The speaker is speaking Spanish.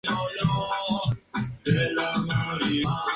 Además presidió la Comisión de la Reforma Agraria.